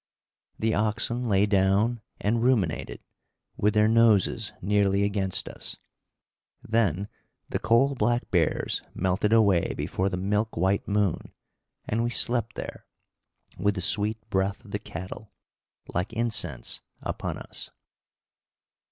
The oxen lay down and ruminated, with their noses nearly against us. Then the coal black bears melted away before the milk white moon, and we slept there, with the sweet breath of the cattle, like incense, upon us.